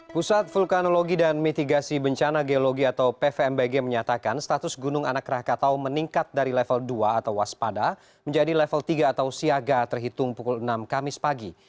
pusat vulkanologi dan mitigasi bencana geologi atau pvmbg menyatakan status gunung anak rakatau meningkat dari level dua atau waspada menjadi level tiga atau siaga terhitung pukul enam kamis pagi